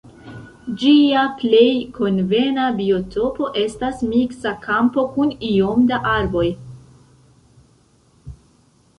Ĝia plej konvena biotopo estas miksa kampo kun iom da arboj.